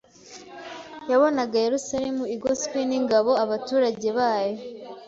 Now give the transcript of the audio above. Yabonaga Yerusalemu igoswe n'ingabo, abaturage bayo